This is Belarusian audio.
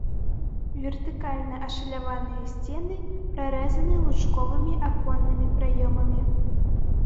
Вертыкальна ашаляваныя сцены прарэзаны лучковымі аконнымі праёмамі.